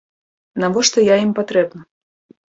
Навошта я ім патрэбна?